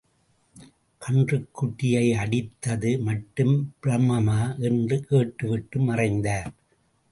கன்றுக்குட்டியை அடித்தது மட்டும் பிரம்மமா? என்று கேட்டுவிட்டு மறைந்தார்.